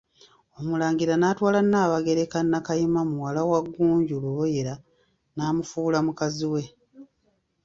Omulangira n'atwala Nnaabagereka Nnakayima muwala wa Ggunju Luboyera, n'amufuula mukazi we.